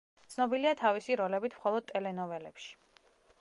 ცნობილია თავისი როლებით მხოლოდ ტელენოველებში.